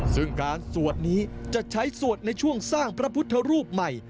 ซึ่งการสวดนี้จะใช้สวดในช่วงสร้างพระพุทธรูปใหม่